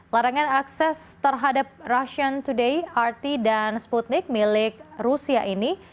larangan akses terhadap russion today rt dan sputnik milik rusia ini